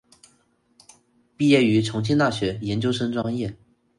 毕业于重庆大学研究生专业。